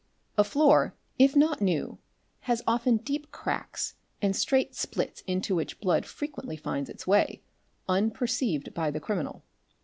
A floor, if not new, has often deep cracks and straight splits into — which blood frequently finds its way, unperceived by the criminal.